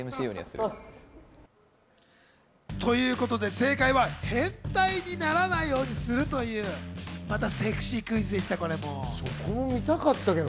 正解は変態にならないようにするというセクシークイズでした。